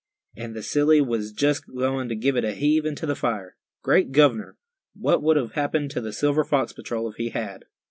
"And the silly was just goin' to give it a heave into the fire. Great governor! what would have happened to the Silver Fox Patrol if he had?"